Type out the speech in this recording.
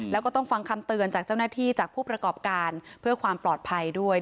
แล้วก็ต้องฟังคำเตือนจากเจ้าหน้าที่จากผู้ประกอบการเพื่อความปลอดภัยด้วย